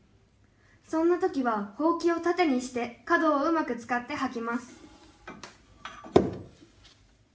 そんなときはほうきをたてにして角をうまく使ってはきます」。